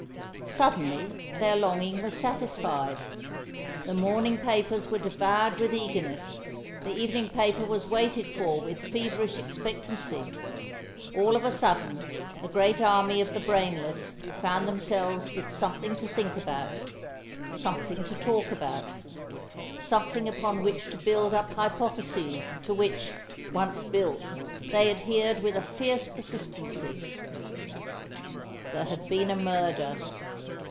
Suddenly their longing was satisfied. The morning papers were devoured with eagerness. The evening paper was waited for with feverish expectancy. All of a sudden the great army of the brainless found themselves with something to think about, something to talk about, something upon which to build up hypotheses, to which, once built, they adhered with a fierce persistency. There had been a murder.